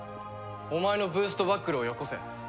お前のブーストバックルをよこせ。